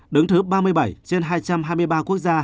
đứng thứ ba mươi bảy trên hai trăm hai mươi ba quốc gia